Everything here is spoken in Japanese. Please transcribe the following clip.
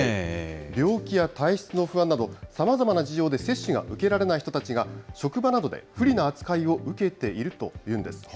病気や体質の不安など、さまざまな事情で接種を受けられない人たちが、職場などで不利な扱いを受けているというんです。